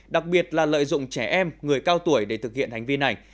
đặc biệt là lợi dụng trẻ em người cao tuổi để thực hiện hành vi này